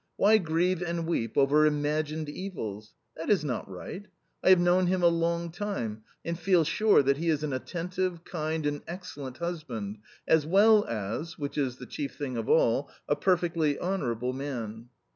Why grieve and weep over imagined evils? That is not right. I have known him a long time, and feel sure that he is an attentive, kind, and excellent husband, as well as (which is the chief thing of all) a perfectly honourable man."